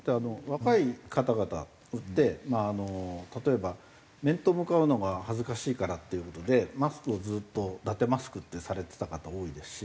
若い方々ってまあ例えば面と向かうのが恥ずかしいからっていう事でマスクをずっとだてマスクってされてた方多いですし。